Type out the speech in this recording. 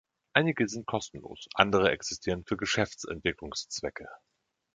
Einige sind kostenlos. Andere existieren für Geschäftsentwicklungszwecke.